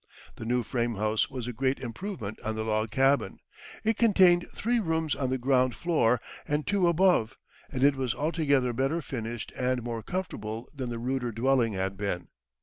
The new frame house was a great improvement on the log cabin. It contained three rooms on the ground floor, and two above, and it was altogether better finished and more comfortable than the ruder dwelling had been.